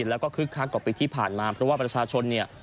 แล้วก็คึกคักกว่าปีที่ผ่านมาเพราะว่าประชาชนเนี่ย